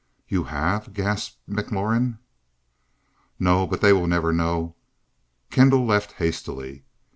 "You have!" gasped McLaurin. "No but they will never know!" Kendall left hastily.